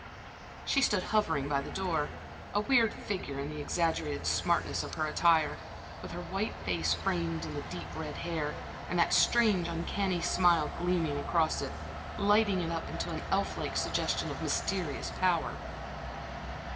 She stood hovering by the door, a weird figure in the exaggerated smartness of her attire, with her white face framed in the deep red hair, and that strange, uncanny smile gleaming across it, lighting it up into an elf like suggestion of mysterious power.